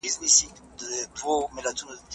د مشرکېنو امان غوښتنه ومنئ.